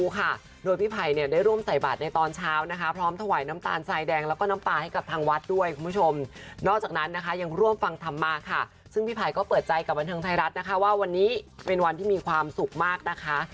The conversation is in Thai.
ซึ่งพี่ไผ่ก็เปิดใจกับบันเทิงไทยรัฐนะคะว่าวันนี้เป็นวันที่มีความสุขมากนะคะ